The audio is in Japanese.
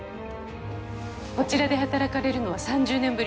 こちらで働かれるのは３０年ぶりとか？